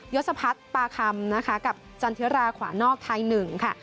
ศพัฒน์ปาคำนะคะกับจันทิราขวานอกไทย๑ค่ะ